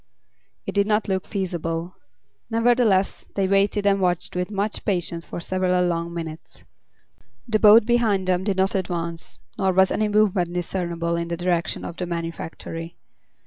It did not look feasible. Nevertheless, they waited and watched with much patience for several long minutes. The boat behind them did not advance, nor was any movement discernible in the direction of the manufactory.